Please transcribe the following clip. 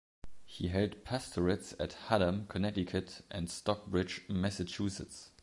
He held pastorates at Haddam, Connecticut, and Stockbridge, Massachusetts.